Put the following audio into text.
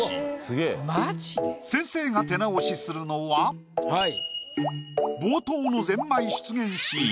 先生が手直しするのは冒頭のゼンマイ出現シーン。